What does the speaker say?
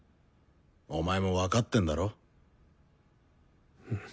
お前も分かってんだろ？